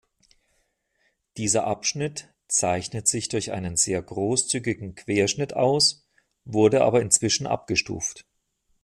Dieser Abschnitt zeichnet sich durch einen sehr großzügigen Querschnitt aus, wurde aber inzwischen abgestuft.